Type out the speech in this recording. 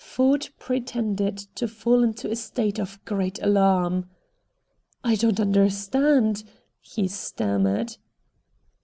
Ford pretended to fall into a state of great alarm. "I don't understand," he stammered.